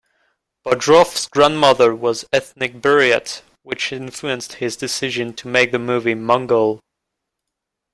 Bodrov's grandmother was ethnic Buryat, which influenced his decision to make the movie "Mongol".